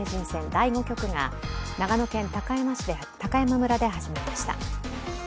第５局が長野県高山村で始まりました。